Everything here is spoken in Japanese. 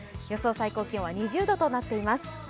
最高気温は２０度となっています。